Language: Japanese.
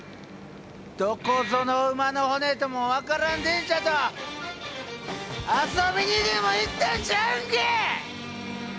どこぞの馬の骨とも分からん電車と遊びにでも行ってんちゃうんか！？